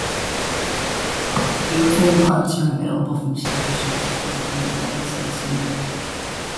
Airframe parts are available from several sources both in the United States and Europe.